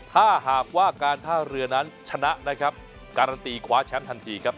ถ้าหากว่าการท่าเรือนั้นชนะนะครับการันตีคว้าแชมป์ทันทีครับ